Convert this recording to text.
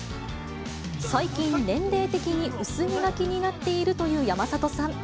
最近、年齢的に薄毛が気になっているという山里さん。